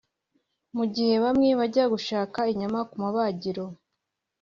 Mu gihe bamwe bajya gushaka inyama ku mabagiro